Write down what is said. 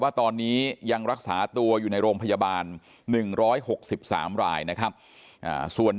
ว่าตอนนี้ยังรักษาตัวอยู่ในโรงพยาบาล๑๖๓รายนะครับส่วน